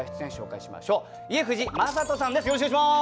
よろしくお願いします。